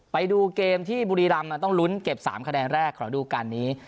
ไปดูเกมที่บุรีรำต้องลุ้นเก็บ๓คะแนนแรกของดูการนี้